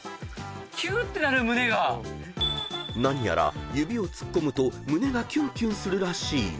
［何やら指を突っ込むと胸がキュンキュンするらしい］